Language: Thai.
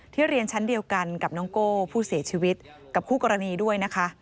เรียนชั้นเดียวกันกับน้องโก้ผู้เสียชีวิตกับคู่กรณีด้วยนะคะ